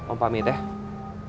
om pamit ya